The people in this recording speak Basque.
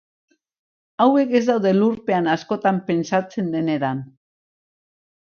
Hauek ez daude lurpean askotan pentsatzen den eran.